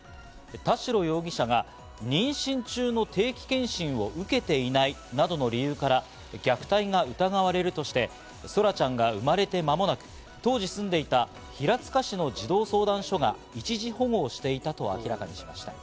田代容疑者が妊娠中の定期検診を受けていないなどの理由から虐待が疑われるとして、空来ちゃんが生まれて間もなく、当時住んでいた平塚市の児童相談所が一時保護していたと明らかにしました。